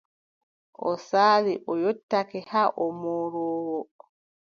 O saali, o yottake, haa o mooroowo.